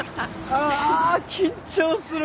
あ緊張する。